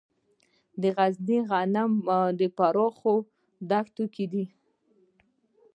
د غزني غنم په پراخو دښتو کې دي.